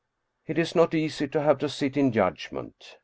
It is not easy to have to sit in judgment.